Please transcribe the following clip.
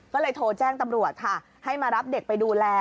ก็เลยโทรแจ้งตำรวจค่ะให้มารับเด็กไปดูแล